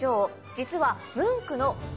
実は。